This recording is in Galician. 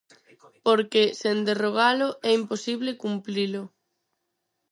Porque, sen derrogalo, é imposible cumprilo.